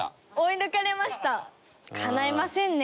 かないませんね